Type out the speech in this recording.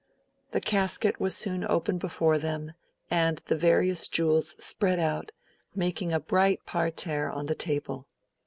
The casket was soon open before them, and the various jewels spread out, making a bright parterre on the table.